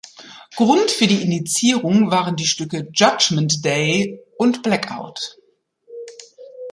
Grund für die Indizierung waren die Stücke "Judgement Day" und "Blackout".